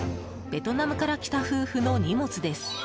ベトナムから来た夫婦の荷物です。